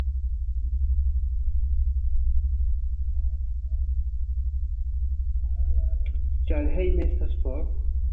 Ĉar hejme estas for